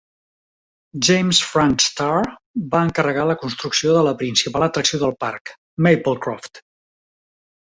James Frank Starr, va encarregar la construcció de la principal atracció del parc, Maplecroft.